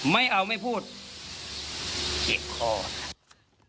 ไม่เอาไม่พูดเหียกครอบครับ